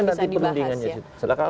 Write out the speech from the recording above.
saya kira disitu yang nanti perlindungannya